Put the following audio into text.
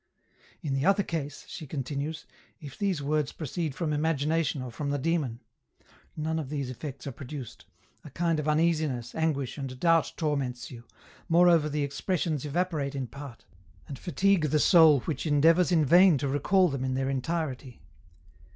"' In the other case,' she continues, ' if these words pro ceed from imagination or from the demon, none of these effects are produced, a kind of uneasiness, anguish and doubt torments you, moreover the expressions evaporate in part, and fatigue the soul which endeavours in vain to recall them in their entirety.